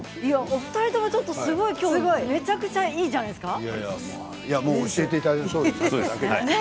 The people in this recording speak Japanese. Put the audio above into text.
お二人ともすごくきょうはめちゃくちゃいいじゃないですか。